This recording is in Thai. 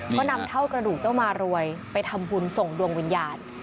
ก็นำเท่ากระดูกเจ้ามารวยไปทำบุญส่งดวงวิญญาณ